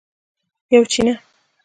یوه چینه